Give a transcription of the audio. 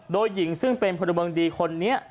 โดยหญิงซึ่งเป็นพลเมืองดีคนนี้